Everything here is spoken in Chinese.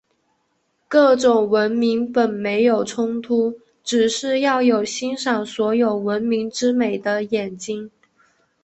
各种文明本没有冲突，只是要有欣赏所有文明之美的眼睛。